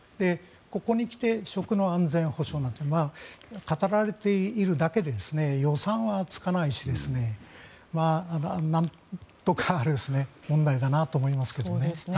ここに来て、食の安全保障などが語られているだけで予算はつかないし問題だなと思いますけどね。